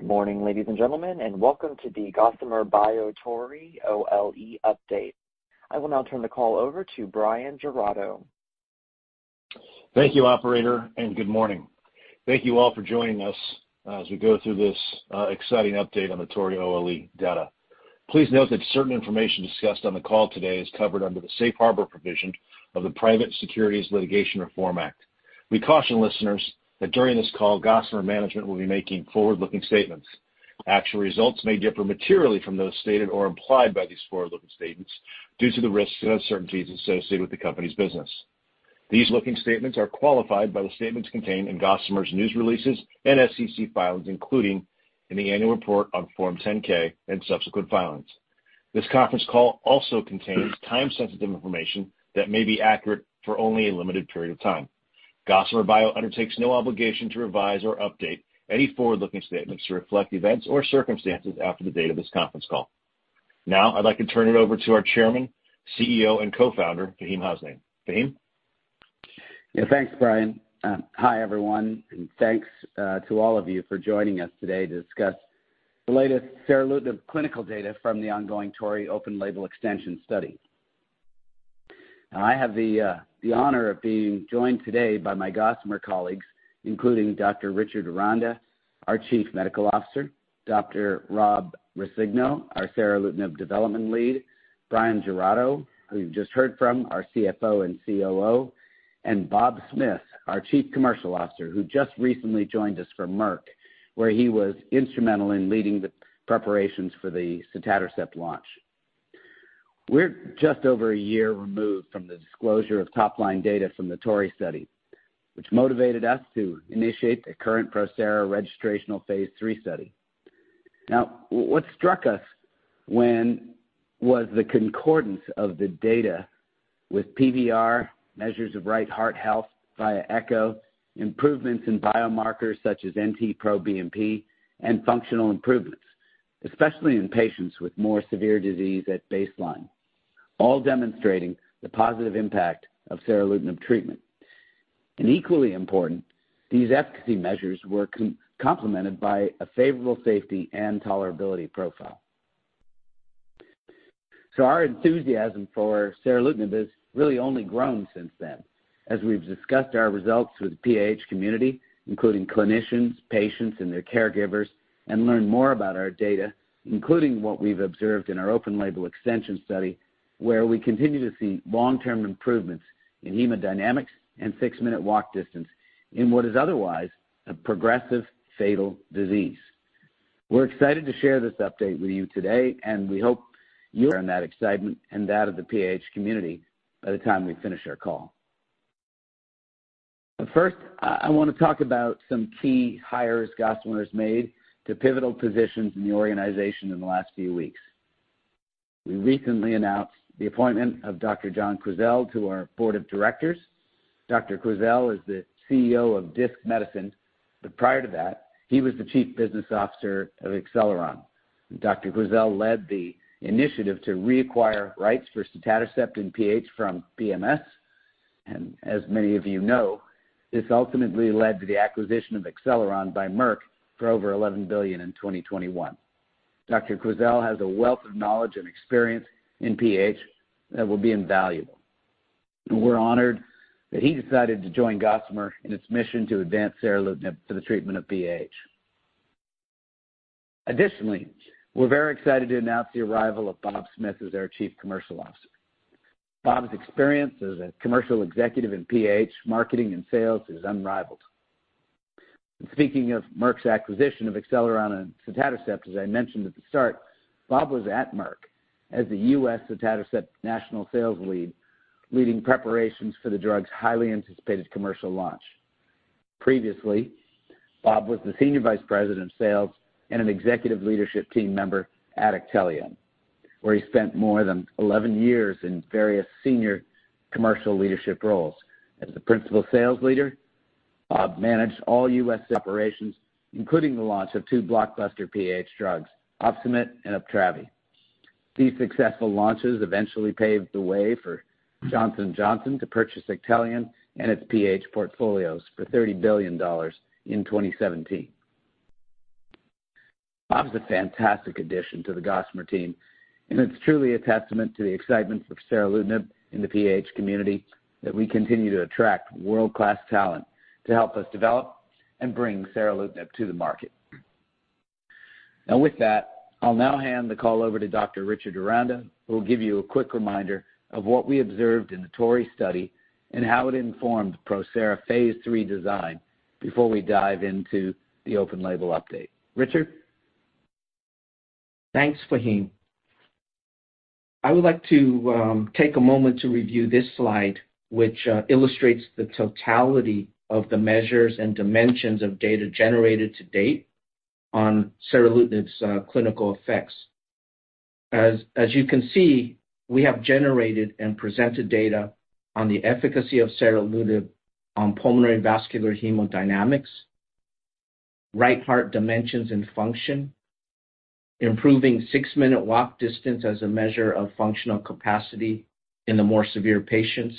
Good morning, ladies and gentlemen, and welcome to the Gossamer Bio TORREY OLE Update. I will now turn the call over to Bryan Giraudo. Thank you, operator, and good morning. Thank you all for joining us as we go through this exciting update on the TORREY OLE data. Please note that certain information discussed on the call today is covered under the safe harbor provision of the Private Securities Litigation Reform Act. We caution listeners that during this call, Gossamer management will be making forward-looking statements. Actual results may differ materially from those stated or implied by these forward-looking statements due to the risks and uncertainties associated with the company's business. These looking statements are qualified by the statements contained in Gossamer's news releases and SEC filings, including in the annual report on Form 10-K and subsequent filings. This conference call also contains time-sensitive information that may be accurate for only a limited period of time. Gossamer Bio undertakes no obligation to revise or update any forward-looking statements to reflect events or circumstances after the date of this conference call. Now, I'd like to turn it over to our Chairman, CEO, and Co-Founder, Faheem Hasnain. Faheem? Yeah, thanks, Bryan. Hi, everyone, and thanks to all of you for joining us today to discuss the latest seralutinib clinical data from the ongoing TORREY open label extension study. Now, I have the honor of being joined today by my Gossamer colleagues, including Dr. Richard Aranda, our Chief Medical Officer; Dr. Rob Rescigno, our seralutinib Development Lead; Bryan Giraudo, who you've just heard from, our CFO and COO; and Bob Smith, our Chief Commercial Officer, who just recently joined us from Merck, where he was instrumental in leading the preparations for the sotatercept launch. We're just over a year removed from the disclosure of top-line data from the TORREY study, which motivated us to initiate the current PROSERA registrational Phase 3 study. Now, what struck us when. was the concordance of the data with PVR, measures of right heart health via echo, improvements in biomarkers such as NT-proBNP, and functional improvements, especially in patients with more severe disease at baseline, all demonstrating the positive impact of seralutinib treatment. And equally important, these efficacy measures were complemented by a favorable safety and tolerability profile. So our enthusiasm for seralutinib has really only grown since then as we've discussed our results with the PAH community, including clinicians, patients, and their caregivers, and learned more about our data, including what we've observed in our open label extension study, where we continue to see long-term improvements in hemodynamics and six-minute walk distance in what is otherwise a progressive, fatal disease. We're excited to share this update with you today, and we hope you share in that excitement and that of the PAH community by the time we finish our call. But first, I wanna talk about some key hires Gossamer has made to pivotal positions in the organization in the last few weeks. We recently announced the appointment of Dr. John Quisel to our board of directors. Dr. Quisel is the CEO of Disc Medicine, but prior to that, he was the Chief Business Officer of Acceleron. Dr. Quisel led the initiative to reacquire rights for sotatercept in PAH from BMS. And as many of you know, this ultimately led to the acquisition of Acceleron by Merck for over $11 billion in 2021. Dr. Quisel has a wealth of knowledge and experience in PAH that will be invaluable, and we're honored that he decided to join Gossamer in its mission to advance seralutinib to the treatment of PAH. Additionally, we're very excited to announce the arrival of Bob Smith as our Chief Commercial Officer. Bob's experience as a commercial executive in PAH, marketing and sales is unrivaled. Speaking of Merck's acquisition of Acceleron and sotatercept, as I mentioned at the start, Bob was at Merck as the U.S. sotatercept national sales lead, leading preparations for the drug's highly anticipated commercial launch. Previously, Bob was the Senior Vice President of Sales and an executive leadership team member at Actelion, where he spent more than 11 years in various senior commercial leadership roles. As the principal sales leader, Bob managed all U.S. operations, including the launch of two blockbuster PAH drugs, Opsumit and Uptravi. These successful launches eventually paved the way for Johnson & Johnson to purchase Actelion and its PAH portfolios for $30 billion in 2017. Bob's a fantastic addition to the Gossamer team, and it's truly a testament to the excitement of seralutinib in the PAH community that we continue to attract world-class talent to help us develop and bring seralutinib to the market. Now, with that, I'll now hand the call over to Dr. Richard Aranda, who will give you a quick reminder of what we observed in the TORREY study and how it informed the PROSERA Phase 3 design before we dive into the open label update. Richard? Thanks, Faheem. I would like to take a moment to review this slide, which illustrates the totality of the measures and dimensions of data generated to date on seralutinib's clinical effects. As you can see, we have generated and presented data on the efficacy of seralutinib on pulmonary vascular hemodynamics, right heart dimensions and function, improving six-minute walk distance as a measure of functional capacity in the more severe patients,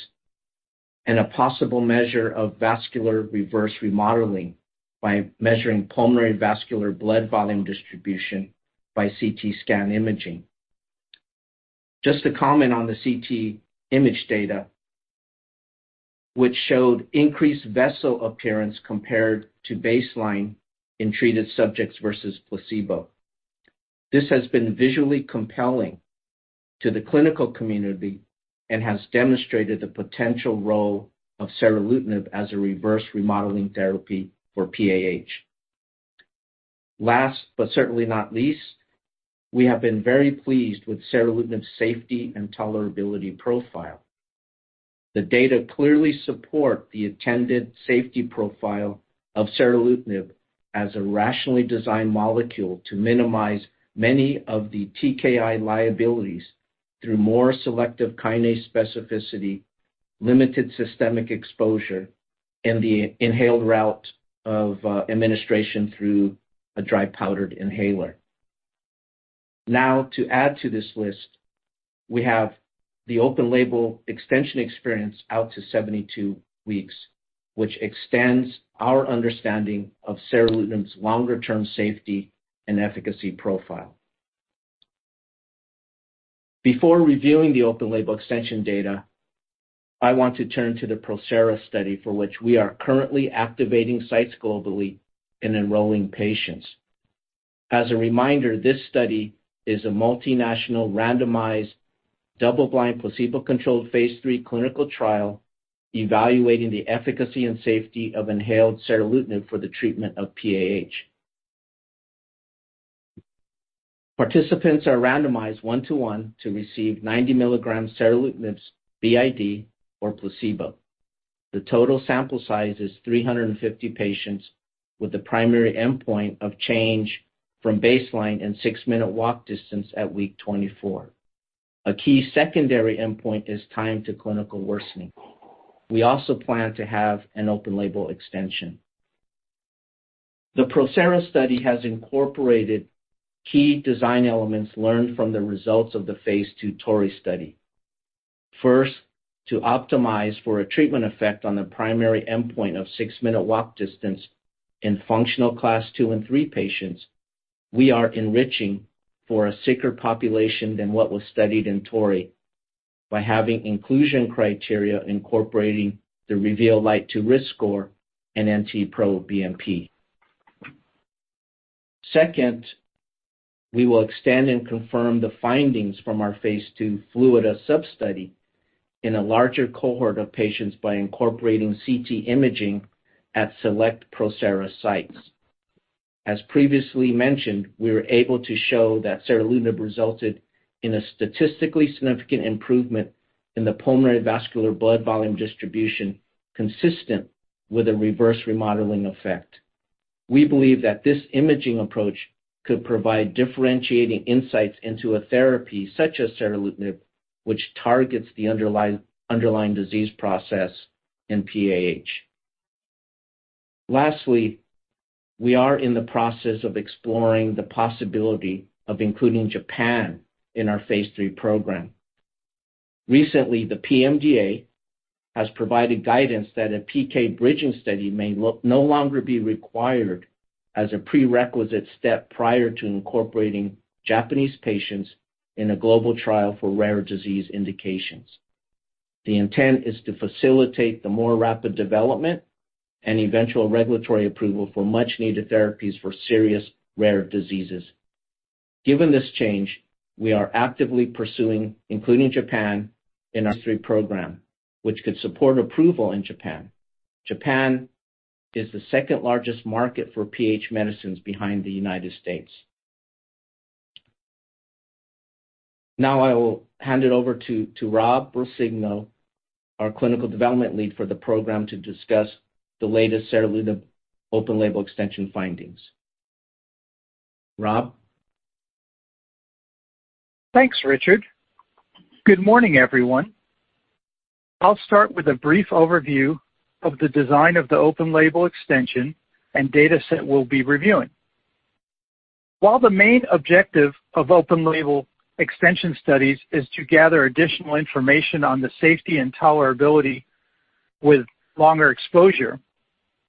and a possible measure of vascular reverse remodeling by measuring pulmonary vascular blood volume distribution by CT scan imaging. Just to comment on the CT image data, which showed increased vessel appearance compared to baseline in treated subjects versus placebo. This has been visually compelling to the clinical community and has demonstrated the potential role of seralutinib as a reverse remodeling therapy for PAH. Last, but certainly not least, we have been very pleased with seralutinib's safety and tolerability profile. The data clearly support the intended safety profile of seralutinib as a rationally designed molecule to minimize many of the TKI liabilities through more selective kinase specificity, limited systemic exposure, and the inhaled route of administration through a dry powder inhaler. Now, to add to this list, we have the open-label extension experience out to 72 weeks, which extends our understanding of seralutinib's longer-term safety and efficacy profile. Before reviewing the open-label extension data, I want to turn to the PROSERA study, for which we are currently activating sites globally and enrolling patients. As a reminder, this study is a multinational, randomized, double-blind, placebo-controlled phase 3 clinical trial evaluating the efficacy and safety of inhaled seralutinib for the treatment of PAH. Participants are randomized one-to-one to receive 90 milligrams seralutinib BID or placebo. The total sample size is 350 patients, with the primary endpoint of change from baseline and six-minute walk distance at week 24. A key secondary endpoint is time to clinical worsening. We also plan to have an open-label extension. The PROSERA study has incorporated key design elements learned from the results of the phase 2 TORREY study. First, to optimize for a treatment effect on the primary endpoint of six-minute walk distance in functional Class II and III patients, we are enriching for a sicker population than what was studied in TORREY by having inclusion criteria incorporating the REVEAL Lite 2 risk score and NT-proBNP. Second, we will extend and confirm the findings from our phase 2 FluidDA substudy in a larger cohort of patients by incorporating CT imaging at select PROSERA sites. As previously mentioned, we were able to show that seralutinib resulted in a statistically significant improvement in the pulmonary vascular blood volume distribution, consistent with a reverse remodeling effect. We believe that this imaging approach could provide differentiating insights into a therapy, such as seralutinib, which targets the underlying disease process in PAH. Lastly, we are in the process of exploring the possibility of including Japan in our phase 3 program. Recently, the PMDA has provided guidance that a PK bridging study may no longer be required as a prerequisite step prior to incorporating Japanese patients in a global trial for rare disease indications. The intent is to facilitate the more rapid development and eventual regulatory approval for much-needed therapies for serious rare diseases. Given this change, we are actively pursuing including Japan in our phase 3 program, which could support approval in Japan. Japan is the second-largest market for PAH medicines behind the United States. Now I will hand it over to Rob Rescigno, our clinical development lead for the program, to discuss the latest seralutinib open-label extension findings. Rob? Thanks, Richard. Good morning, everyone. I'll start with a brief overview of the design of the open-label extension and dataset we'll be reviewing. While the main objective of open-label extension studies is to gather additional information on the safety and tolerability with longer exposure,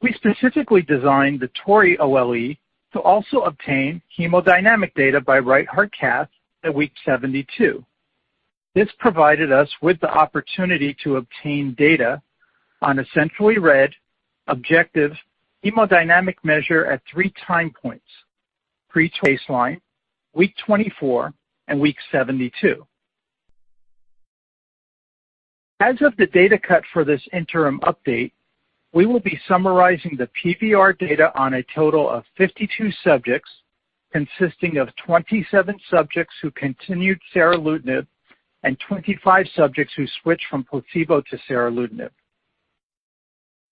we specifically designed the TORREY OLE to also obtain hemodynamic data by right heart cath at week 72. This provided us with the opportunity to obtain data on a centrally read, objective hemodynamic measure at three time points: pre-baseline, week 24, and week 72. As of the data cut for this interim update, we will be summarizing the PVR data on a total of 52 subjects, consisting of 27 subjects who continued seralutinib and 25 subjects who switched from placebo to seralutinib.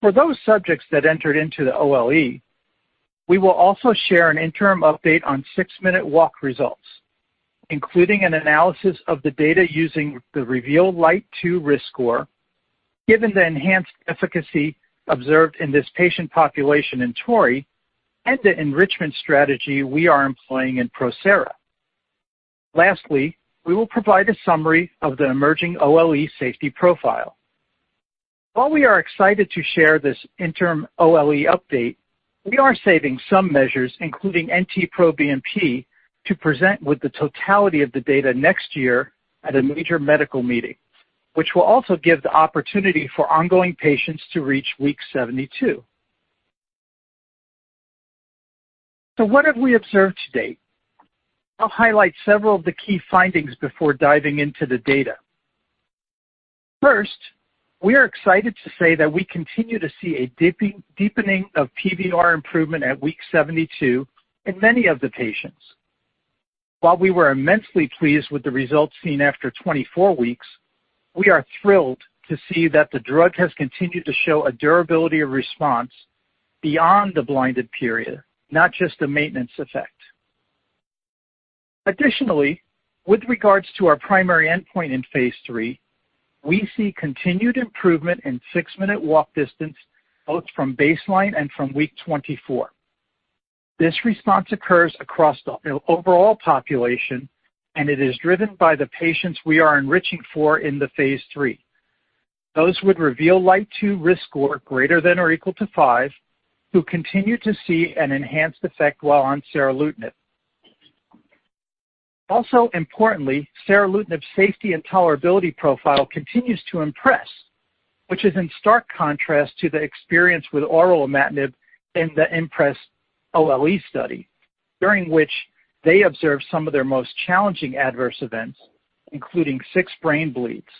For those subjects that entered into the OLE, we will also share an interim update on six-minute walk results. including an analysis of the data using the REVEAL Lite 2 risk score, given the enhanced efficacy observed in this patient population in TORREY and the enrichment strategy we are employing in PROSERA. Lastly, we will provide a summary of the emerging OLE safety profile. While we are excited to share this interim OLE update, we are saving some measures, including NT-proBNP, to present with the totality of the data next year at a major medical meeting, which will also give the opportunity for ongoing patients to reach week 72. So what have we observed to date? I'll highlight several of the key findings before diving into the data. First, we are excited to say that we continue to see a deepening of PVR improvement at week 72 in many of the patients. While we were immensely pleased with the results seen after 24 weeks, we are thrilled to see that the drug has continued to show a durability of response beyond the blinded period, not just a maintenance effect. Additionally, with regards to our primary endpoint in Phase 3, we see continued improvement in 6-minute walk distance, both from baseline and from week 24. This response occurs across the overall population, and it is driven by the patients we are enriching for in the Phase 3. Those with REVEAL Lite 2 risk score greater than or equal to 5, who continue to see an enhanced effect while on seralutinib. Also importantly, seralutinib safety and tolerability profile continues to impress, which is in stark contrast to the experience with oral imatinib in the IMPRES OLE study, during which they observed some of their most challenging adverse events, including 6 brain bleeds.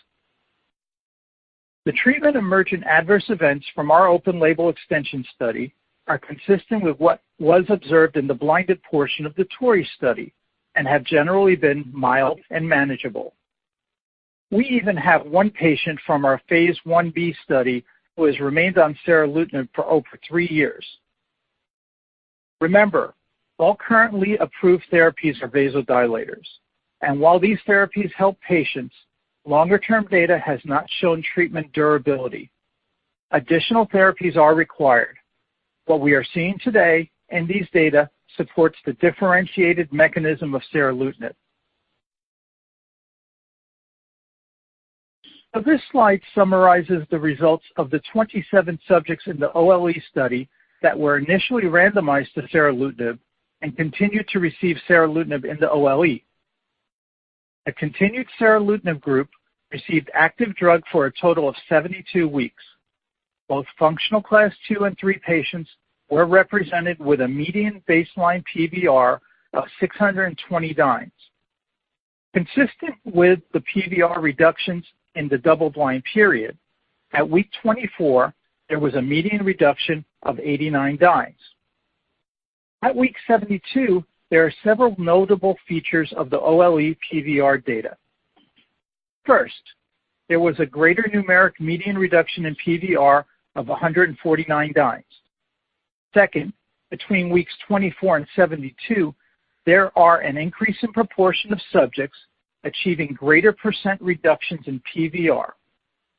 The treatment-emergent adverse events from our open-label extension study are consistent with what was observed in the blinded portion of the TORREY study and have generally been mild and manageable. We even have one patient from our Phase 1b study who has remained on seralutinib for over three years. Remember, all currently approved therapies are vasodilators, and while these therapies help patients, longer-term data has not shown treatment durability. Additional therapies are required. What we are seeing today in these data supports the differentiated mechanism of seralutinib. So this slide summarizes the results of the 27 subjects in the OLE study that were initially randomized to seralutinib and continued to receive seralutinib in the OLE. A continued seralutinib group received active drug for a total of 72 weeks. Both Functional Class II and III patients were represented with a median baseline PVR of 620 dynes. Consistent with the PVR reductions in the double-blind period, at week 24, there was a median reduction of 89 dynes. At week 72, there are several notable features of the OLE PVR data. First, there was a greater numeric median reduction in PVR of 149 dynes. Second, between weeks 24 and 72, there are an increase in proportion of subjects achieving greater percent reductions in PVR,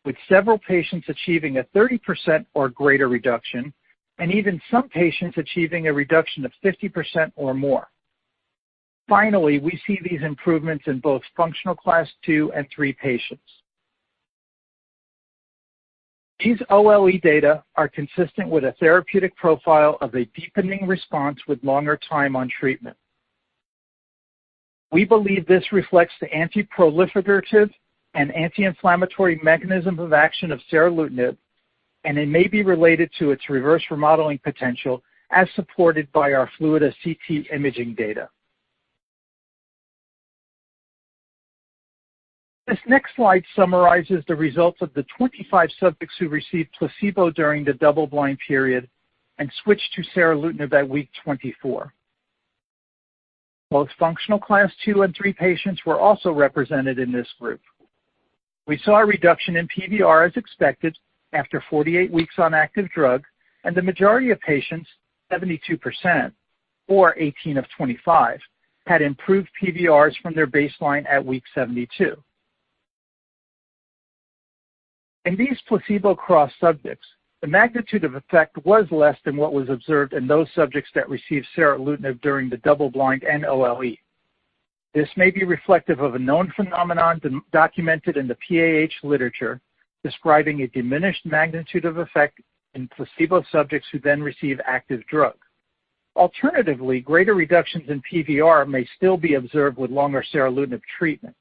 with several patients achieving a 30% or greater reduction and even some patients achieving a reduction of 50% or more. Finally, we see these improvements in both Functional Class II and III patients. These OLE data are consistent with a therapeutic profile of a deepening response with longer time on treatment. We believe this reflects the antiproliferative and anti-inflammatory mechanism of action of seralutinib, and it may be related to its reverse remodeling potential, as supported by our FluidDA CT imaging data. This next slide summarizes the results of the 25 subjects who received placebo during the double-blind period and switched to seralutinib at week 24. Both Functional Class II and III patients were also represented in this group. We saw a reduction in PVR as expected after 48 weeks on active drug, and the majority of patients, 72%, or 18 of 25, had improved PVRs from their baseline at week 72. In these placebo cross subjects, the magnitude of effect was less than what was observed in those subjects that received seralutinib during the double-blind and OLE. This may be reflective of a known phenomenon documented in the PAH literature, describing a diminished magnitude of effect in placebo subjects who then receive active drug. Alternatively, greater reductions in PVR may still be observed with longer seralutinib treatment.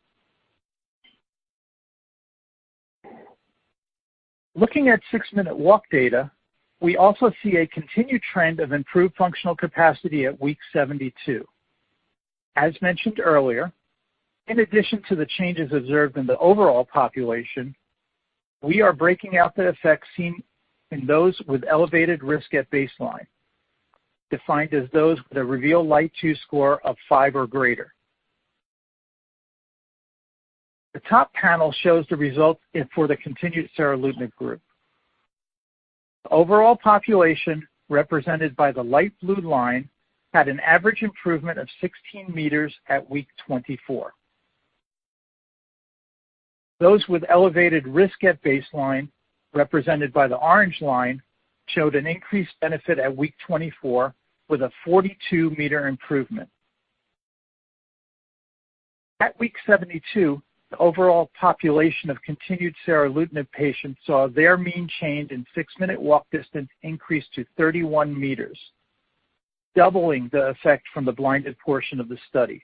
Looking at six-minute walk data, we also see a continued trend of improved functional capacity at week 72. As mentioned earlier, in addition to the changes observed in the overall population, we are breaking out the effects seen in those with elevated risk at baseline, defined as those with a REVEAL Lite 2 score of 5 or greater. The top panel shows the results in for the continued seralutinib group. The overall population, represented by the light blue line, had an average improvement of 16 meters at week 24. Those with elevated risk at baseline, represented by the orange line, showed an increased benefit at week 24, with a 42-meter improvement. At week 72, the overall population of continued seralutinib patients saw their mean change in 6-minute walk distance increase to 31 meters, doubling the effect from the blinded portion of the study.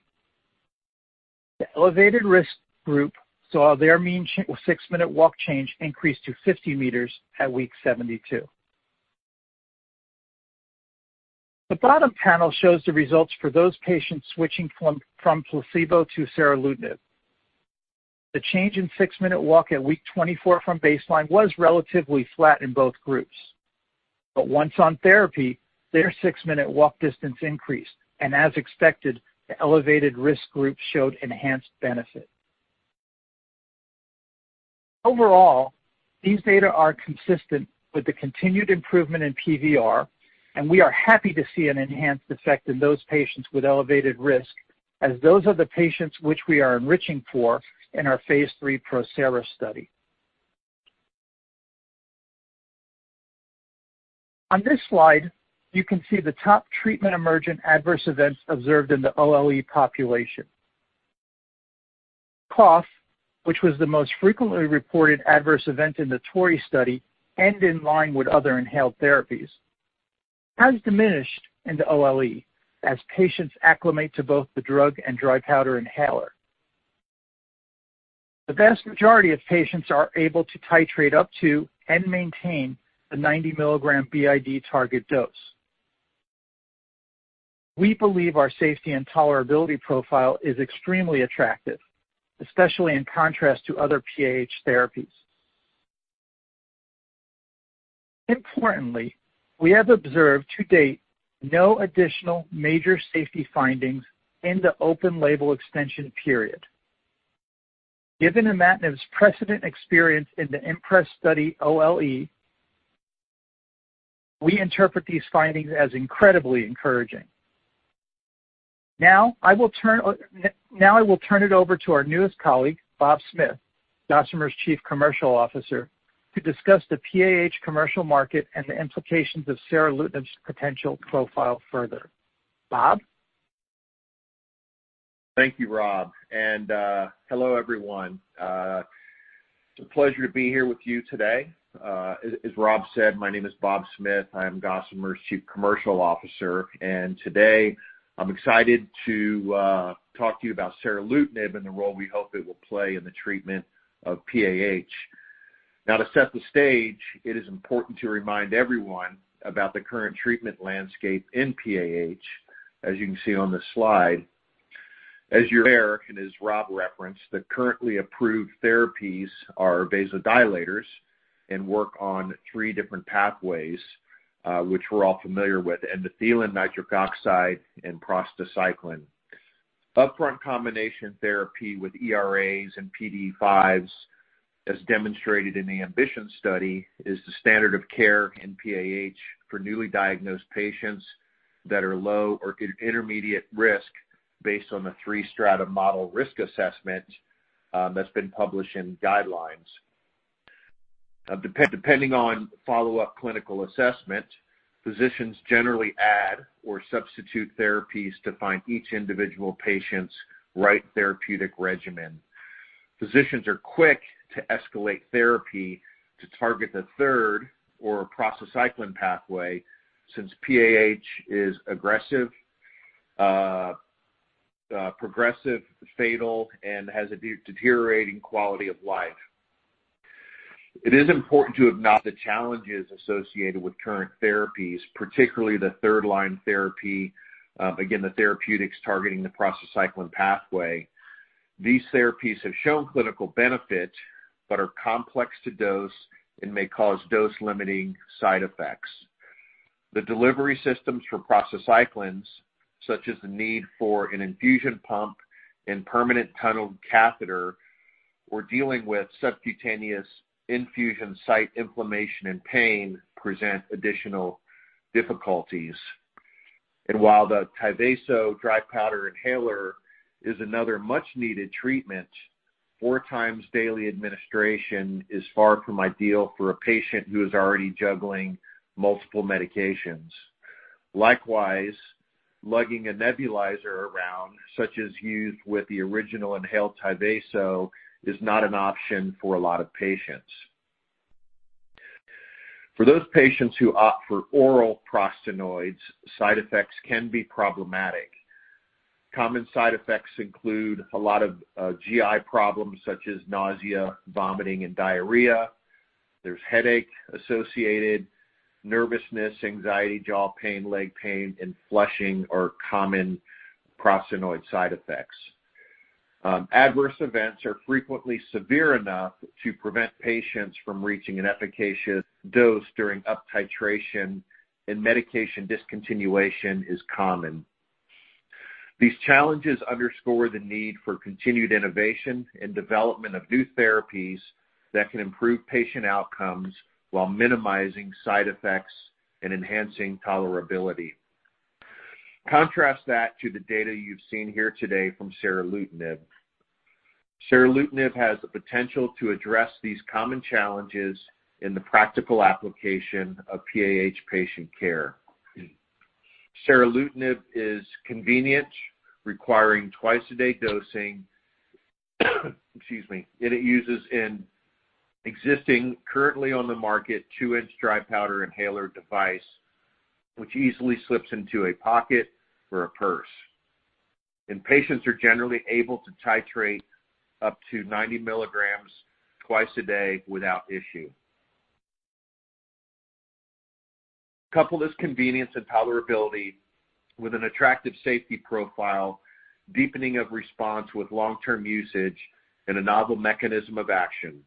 The elevated risk group saw their mean 6-minute walk change increase to 50 meters at week 72. The bottom panel shows the results for those patients switching from placebo to seralutinib. The change in 6-minute walk at week 24 from baseline was relatively flat in both groups. But once on therapy, their 6-minute walk distance increased, and as expected, the elevated risk group showed enhanced benefit. Overall, these data are consistent with the continued improvement in PVR, and we are happy to see an enhanced effect in those patients with elevated risk, as those are the patients which we are enriching for in our phase 3 PROSERA study. On this slide, you can see the top treatment-emergent adverse events observed in the OLE population. Cough, which was the most frequently reported adverse event in the TORREY study and in line with other inhaled therapies, has diminished in the OLE as patients acclimate to both the drug and dry powder inhaler. The vast majority of patients are able to titrate up to and maintain the 90 milligram BID target dose. We believe our safety and tolerability profile is extremely attractive, especially in contrast to other PAH therapies. Importantly, we have observed to date, no additional major safety findings in the open-label extension period. Given imatinib's precedent experience in the IMPRES study OLE, we interpret these findings as incredibly encouraging. Now, I will turn it over to our newest colleague, Bob Smith, Gossamer's Chief Commercial Officer, to discuss the PAH commercial market and the implications of seralutinib's potential profile further. Bob? Thank you, Rob, and hello, everyone. It's a pleasure to be here with you today. As Rob said, my name is Bob Smith. I am Gossamer's Chief Commercial Officer, and today I'm excited to talk to you about seralutinib and the role we hope it will play in the treatment of PAH. Now, to set the stage, it is important to remind everyone about the current treatment landscape in PAH. As you can see on this slide, as you're aware, and as Rob referenced, the currently approved therapies are vasodilators and work on three different pathways, which we're all familiar with, endothelin, nitric oxide, and prostacyclin. Upfront combination therapy with ERAs and PDE5s, as demonstrated in the AMBITION study, is the standard of care in PAH for newly diagnosed patients that are low or in intermediate risk based on the three-strata model risk assessment, that's been published in guidelines. Depending on follow-up clinical assessment, physicians generally add or substitute therapies to find each individual patient's right therapeutic regimen. Physicians are quick to escalate therapy to target the third or prostacyclin pathway, since PAH is aggressive, progressive, fatal, and has a deteriorating quality of life. It is important to acknowledge the challenges associated with current therapies, particularly the third-line therapy, again, the therapeutics targeting the prostacyclin pathway. These therapies have shown clinical benefit but are complex to dose and may cause dose-limiting side effects. The delivery systems for prostacyclins, such as the need for an infusion pump and permanent tunneled catheter, or dealing with subcutaneous infusion site inflammation and pain, present additional difficulties. And while the Tyvaso dry powder inhaler is another much-needed treatment, four times daily administration is far from ideal for a patient who is already juggling multiple medications. Likewise, lugging a nebulizer around, such as used with the original inhaled Tyvaso, is not an option for a lot of patients. For those patients who opt for oral prostanoids, side effects can be problematic. Common side effects include a lot of GI problems, such as nausea, vomiting, and diarrhea. There's headache associated. Nervousness, anxiety, jaw pain, leg pain, and flushing are common prostanoid side effects. Adverse events are frequently severe enough to prevent patients from reaching an efficacious dose during uptitration, and medication discontinuation is common. These challenges underscore the need for continued innovation and development of new therapies that can improve patient outcomes while minimizing side effects and enhancing tolerability. Contrast that to the data you've seen here today from seralutinib. Seralutinib has the potential to address these common challenges in the practical application of PAH patient care. Seralutinib is convenient, requiring twice-a-day dosing, excuse me, and it uses an existing, currently on the market, 2-inch dry powder inhaler device, which easily slips into a pocket or a purse. And patients are generally able to titrate up to 90 milligrams twice a day without issue. Couple this convenience and tolerability with an attractive safety profile, deepening of response with long-term usage, and a novel mechanism of action.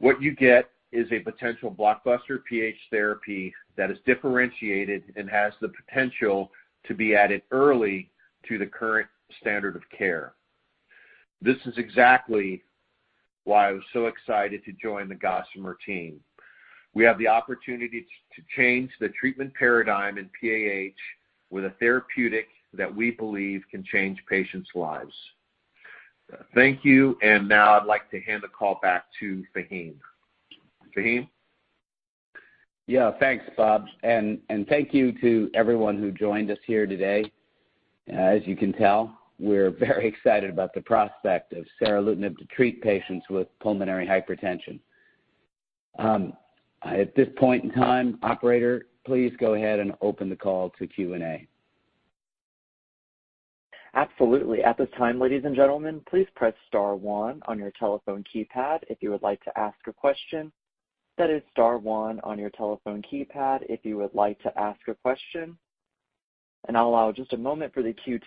What you get is a potential blockbuster PAH therapy that is differentiated and has the potential to be added early to the current standard of care. This is exactly why I was so excited to join the Gossamer team. We have the opportunity to change the treatment paradigm in PAH with a therapeutic that we believe can change patients' lives. Thank you, and now I'd like to hand the call back to Faheem. Faheem? Yeah, thanks, Bob, and thank you to everyone who joined us here today. As you can tell, we're very excited about the prospect of seralutinib to treat patients with pulmonary hypertension. At this point in time, operator, please go ahead and open the call to Q&A. Absolutely. At this time, ladies and gentlemen, please press star one on your telephone keypad if you would like to ask a question. That is star one on your telephone keypad if you would like to ask a question, and I'll allow just a moment for the queue.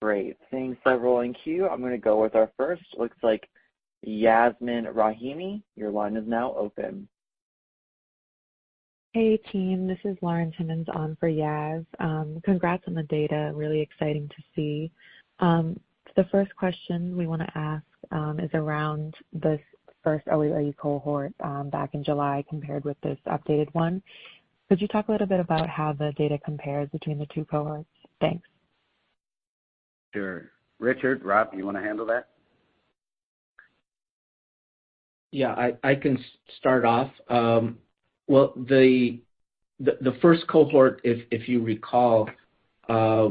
Great, thanks, everyone in queue. I'm going to go with our first. Looks like Yasmeen Rahimi, your line is now open. Hey, team, this is Lauren Timmons on for Yas. Congrats on the data. Really exciting to see. The first question we want to ask is around the first OLE cohort back in July compared with this updated one. Could you talk a little bit about how the data compares between the two cohorts? Thanks. Sure. Richard, Rob, do you want to handle that? Yeah, I can start off. Well, the first cohort, if you recall,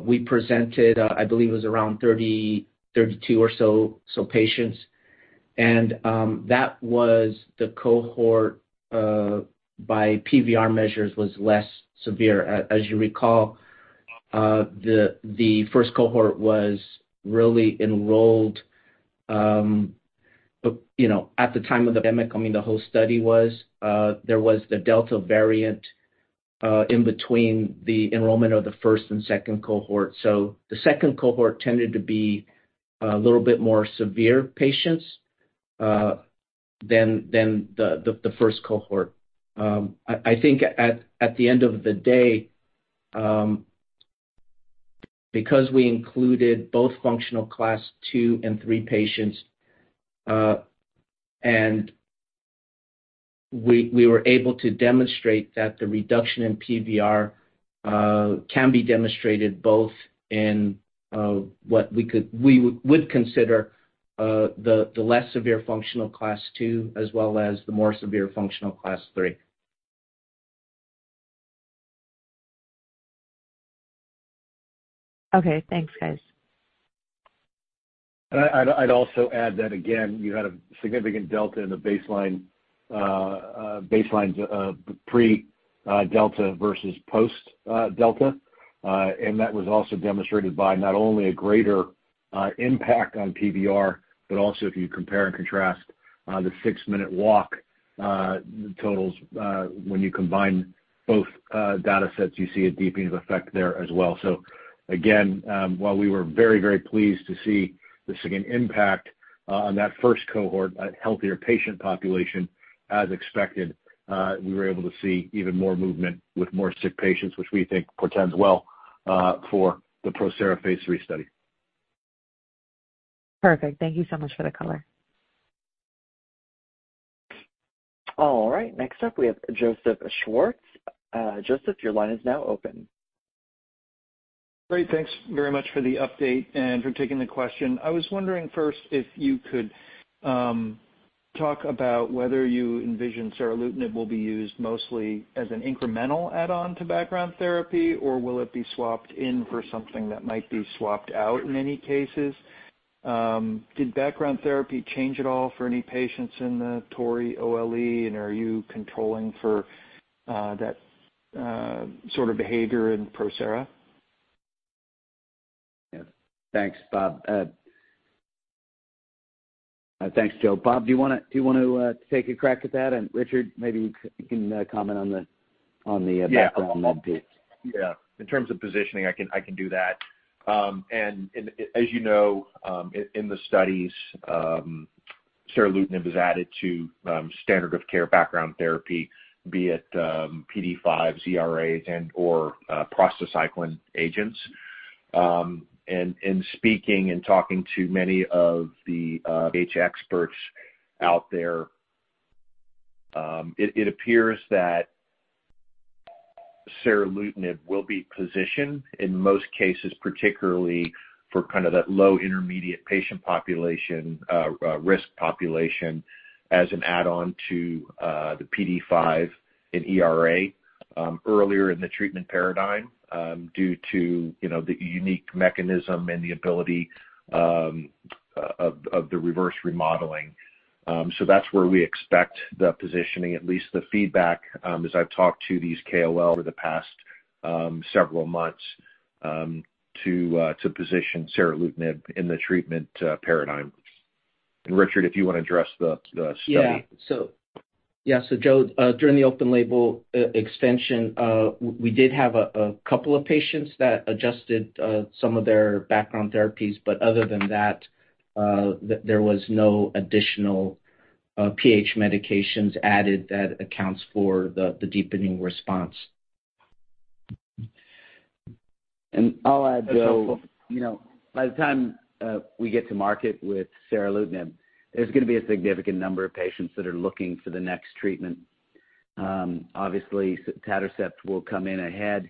we presented, I believe it was around 30, 32 or so patients, and that was the cohort by PVR measures, was less severe. As you recall, the first cohort was really enrolled, you know, at the time of the pandemic, I mean, the whole study was, there was the Delta variant in between the enrollment of the first and second cohort. So the second cohort tended to be a little bit more severe patients than the first cohort. I think at the end of the day, because we included both Functional Class II and III patients, and we were able to demonstrate that the reduction in PVR can be demonstrated both in what we would consider the less severe Functional Class II, as well as the more severe Functional Class III. Okay. Thanks, guys. I'd also add that again, you had a significant delta in the baseline baseline pre delta versus post delta. And that was also demonstrated by not only a greater impact on PVR, but also if you compare and contrast the six-minute walk totals when you combine both data sets, you see a deepening of effect there as well. So again, while we were very, very pleased to see the significant impact on that first cohort, a healthier patient population, as expected, we were able to see even more movement with more sick patients, which we think portends well for the PROSERA phase 3 study. Perfect. Thank you so much for the color. All right, next up, we have Joseph Schwartz. Joseph, your line is now open. Great. Thanks very much for the update and for taking the question. I was wondering first if you could talk about whether you envision seralutinib will be used mostly as an incremental add-on to background therapy, or will it be swapped in for something that might be swapped out in many cases? Did background therapy change at all for any patients in the TORREY OLE, and are you controlling for that sort of behavior in PROSERA? Yeah. Thanks, Bob. Thanks, Joe. Bob, do you want to take a crack at that? And Richard, maybe you can comment on the background med piece? Yeah. In terms of positioning, I can do that. And as you know, in the studies, seralutinib was added to standard of care background therapy, be it PDE5, ERA and/or prostacyclin agents. And speaking and talking to many of the PH experts out there, it appears that seralutinib will be positioned in most cases, particularly for kind of that low intermediate patient population, risk population, as an add-on to the PDE5 and ERA, earlier in the treatment paradigm, due to you know the unique mechanism and the ability of the reverse remodeling. So that's where we expect the positioning, at least the feedback as I've talked to these KOL over the past several months to position seralutinib in the treatment paradigm. Richard, if you want to address the study. Yeah. So, Joe, during the open-label extension, we did have a couple of patients that adjusted some of their background therapies, but other than that, there was no additional PH medications added that accounts for the deepening response. I'll add, Joe, you know, by the time we get to market with seralutinib, there's gonna be a significant number of patients that are looking for the next treatment. Obviously, sotatercept will come in ahead.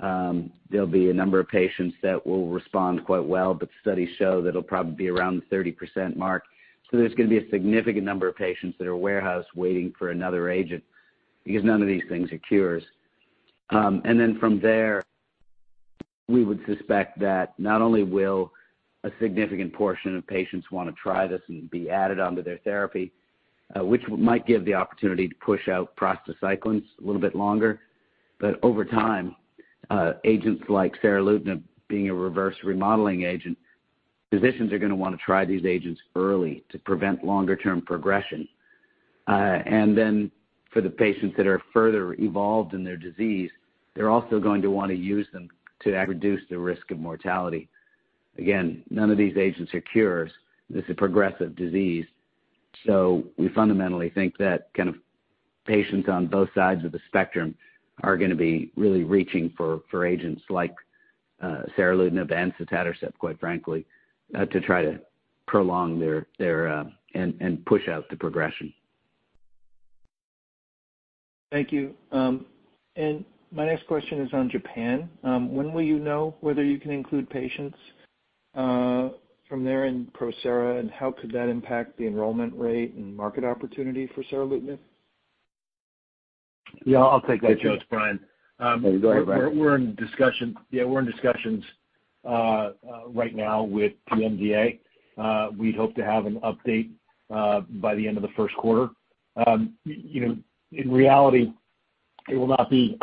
There'll be a number of patients that will respond quite well, but studies show that it'll probably be around the 30% mark. So there's gonna be a significant number of patients that are warehoused waiting for another agent, because none of these things are cures. And then from there, we would suspect that not only will a significant portion of patients want to try this and be added onto their therapy, which might give the opportunity to push out prostacyclins a little bit longer, but over time, agents like seralutinib, being a reverse remodeling agent, physicians are gonna want to try these agents early to prevent longer term progression. And then for the patients that are further evolved in their disease, they're also going to want to use them to reduce the risk of mortality. Again, none of these agents are cures. This is a progressive disease. So we fundamentally think that kind of patients on both sides of the spectrum are gonna be really reaching for, for agents like, seralutinib and sotatercept, quite frankly, to try to prolong their, their and, and push out the progression. Thank you. My next question is on Japan. When will you know whether you can include patients from there in PROSERA, and how could that impact the enrollment rate and market opportunity for seralutinib? Yeah, I'll take that, Joe. It's Bryan. Go ahead, Bryan. Yeah, we're in discussions right now with PMDA. We hope to have an update by the end of the first quarter. You know, in reality, it will not be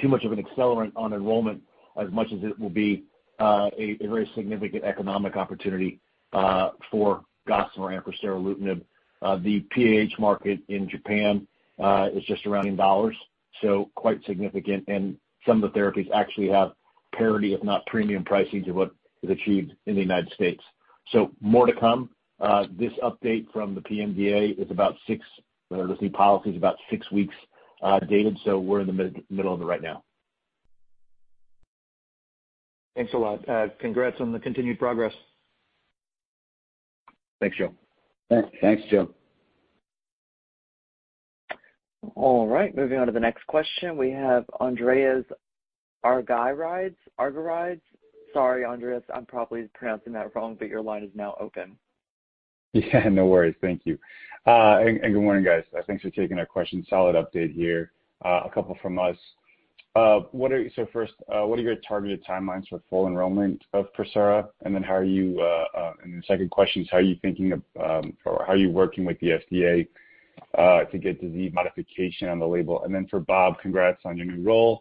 too much of an accelerant on enrollment as much as it will be a very significant economic opportunity for Gossamer and for seralutinib. The PAH market in Japan is just around in dollars, so quite significant, and some of the therapies actually have parity, if not premium pricing, to what is achieved in the United States. So more to come. This update from the PMDA is about six weeks dated, so we're in the middle of it right now. Thanks a lot. Congrats on the continued progress. Thanks, Joe. Thanks. Thanks, Joe. All right, moving on to the next question. We have Andreas Argyrides, Argyrides. Sorry, Andreas, I'm probably pronouncing that wrong, but your line is now open. Yeah, no worries. Thank you. Good morning, guys. Thanks for taking our question. Solid update here. A couple from us. So first, what are your targeted timelines for full enrollment of PROSERA? And then how are you. And the second question is: how are you thinking of, or how are you working with the FDA to get disease modification on the label? And then for Bob, congrats on your new role.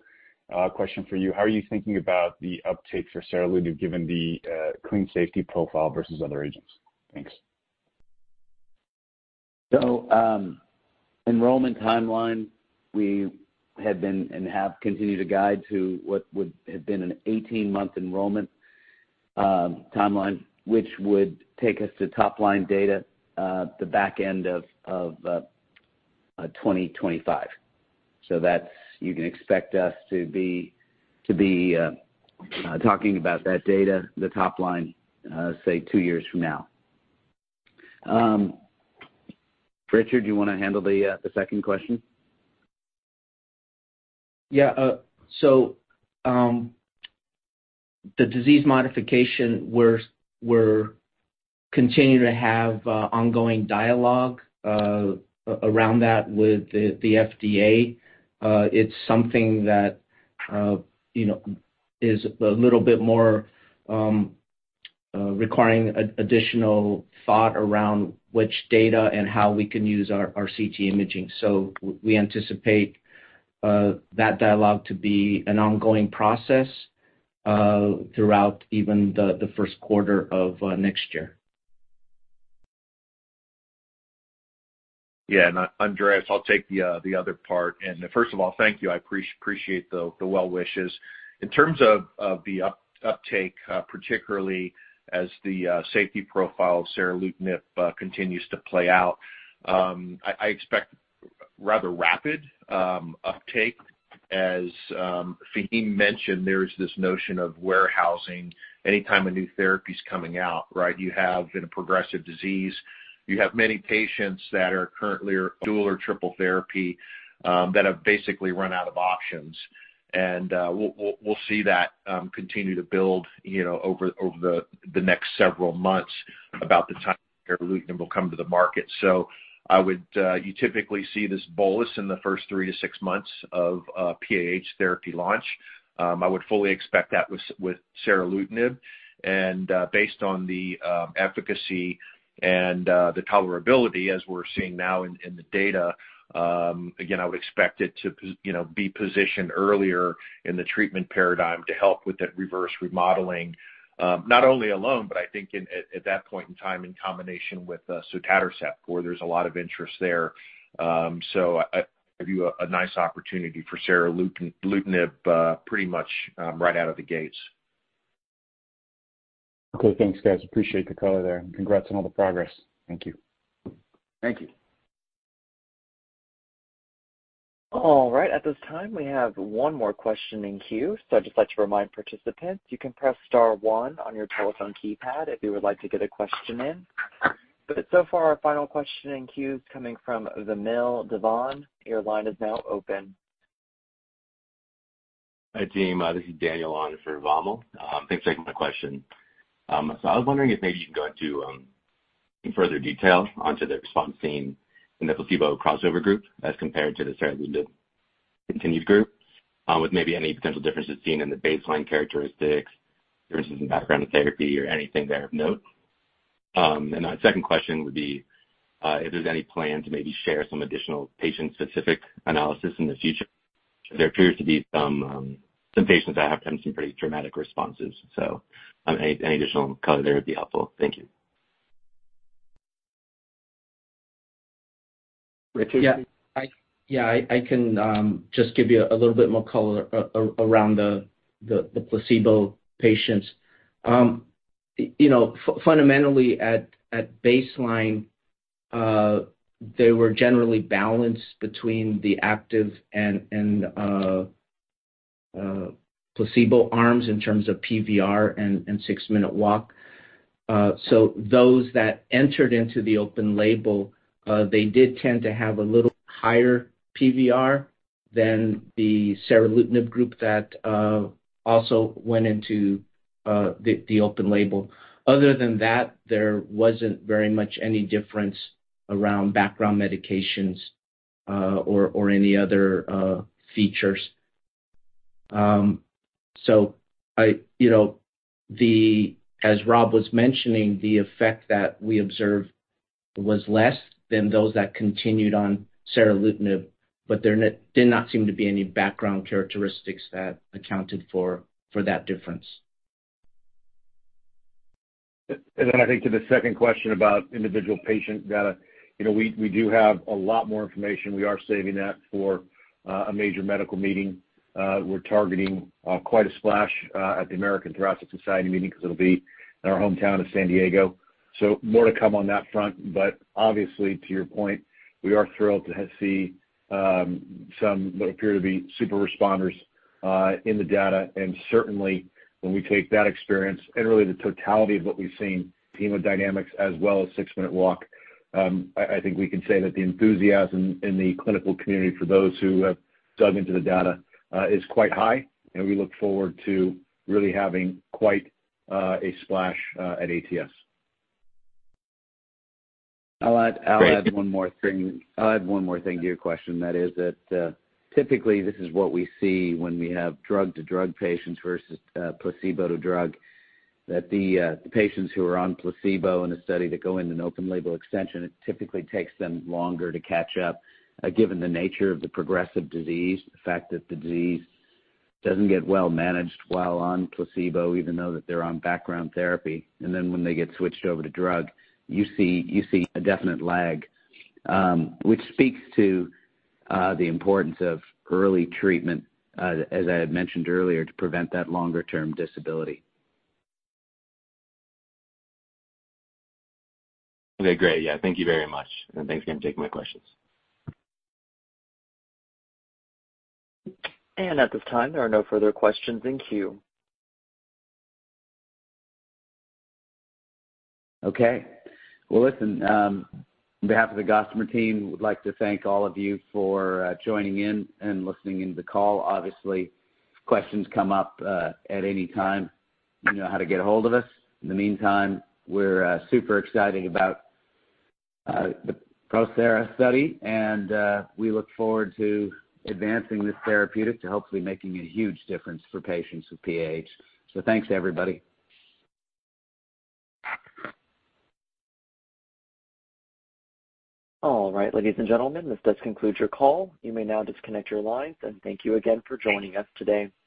Question for you: how are you thinking about the uptake for seralutinib, given the clean safety profile versus other agents? Thanks. So, enrollment timeline, we have been and have continued to guide to what would have been an 18-month enrollment timeline, which would take us to top-line data, the back end of 2025. So that's, you can expect us to be talking about that data, the top line, say, two years from now. Richard, you wanna handle the second question? Yeah, so, the disease modification, we're continuing to have ongoing dialogue around that with the FDA. It's something that, you know, is a little bit more requiring additional thought around which data and how we can use our CT imaging. So we anticipate that dialogue to be an ongoing process throughout even the first quarter of next year. Yeah, and Andreas, I'll take the other part. First of all, thank you. I appreciate the well wishes. In terms of the uptake, particularly as the safety profile of seralutinib continues to play out, I expect rather rapid uptake. As Faheem mentioned, there is this notion of warehousing anytime a new therapy is coming out, right? You have in a progressive disease, you have many patients that are currently are dual or triple therapy, that have basically run out of options. And we'll see that continue to build, you know, over the next several months, about the time seralutinib will come to the market. So I would, you typically see this bolus in the first three to six months of PAH therapy launch. I would fully expect that with seralutinib, and based on the efficacy and the tolerability as we're seeing now in the data, again, I would expect it to, you know, be positioned earlier in the treatment paradigm to help with that reverse remodeling. Not only alone, but I think at that point in time, in combination with sotatercept, where there's a lot of interest there. So I give you a nice opportunity for seralutinib, pretty much right out of the gates. Okay, thanks, guys. Appreciate the color there, and congrats on all the progress. Thank you. Thank you. All right. At this time, we have one more question in queue. I'd just like to remind participants, you can press star one on your telephone keypad if you would like to get a question in. So far, our final question in queue is coming from Vamil Divan. Your line is now open. Hi, team. This is Daniel on for Vamil. Thanks for taking my question. So I was wondering if maybe you can go into, in further detail onto the response seen in the placebo crossover group as compared to the seralutinib continued group, with maybe any potential differences seen in the baseline characteristics, differences in background therapy or anything there of note? And my second question would be, if there's any plan to maybe share some additional patient-specific analysis in the future. There appears to be some patients that have some pretty dramatic responses, so, any additional color there would be helpful. Thank you. Yeah. I can just give you a little bit more color around the placebo patients. You know, fundamentally, at baseline, they were generally balanced between the active and placebo arms in terms of PVR and six-minute walk. So those that entered into the open label, they did tend to have a little higher PVR than the seralutinib group that also went into the open label. Other than that, there wasn't very much any difference around background medications or any other features. So I, you know, the. As Rob was mentioning, the effect that we observed was less than those that continued on seralutinib, but there did not seem to be any background characteristics that accounted for that difference. And then I think to the second question about individual patient data, you know, we do have a lot more information. We are saving that for a major medical meeting. We're targeting quite a splash at the American Thoracic Society meeting because it'll be in our hometown of San Diego. So more to come on that front, but obviously, to your point, we are thrilled to have seen somewhat appear to be super responders in the data. And certainly when we take that experience and really the totality of what we've seen, hemodynamics as well as six-minute walk, I think we can say that the enthusiasm in the clinical community for those who have dug into the data is quite high, and we look forward to really having quite a splash at ATS. I'll add one more thing- Great. I'll add one more thing to your question. That is that, typically, this is what we see when we have drug-to-drug patients versus, placebo-to-drug, that the, the patients who are on placebo in a study that go into an open label extension, it typically takes them longer to catch up, given the nature of the progressive disease, the fact that the disease doesn't get well managed while on placebo, even though that they're on background therapy. And then when they get switched over to drug, you see, you see a definite lag, which speaks to, the importance of early treatment, as I had mentioned earlier, to prevent that longer-term disability. Okay, great. Yeah, thank you very much, and thanks again for taking my questions. At this time, there are no further questions in queue. Okay. Well, listen, on behalf of the Gossamer team, we'd like to thank all of you for joining in and listening in to the call. Obviously, questions come up at any time. You know how to get a hold of us. In the meantime, we're super exciting about the PROSERA study, and we look forward to advancing this therapeutic to hopefully making a huge difference for patients with PAH. So thanks, everybody. All right, ladies and gentlemen, this does conclude your call. You may now disconnect your lines, and thank you again for joining us today.